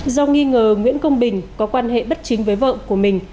do nghi ngờ nguyễn công bình có quan hệ bất chính với vợ của mình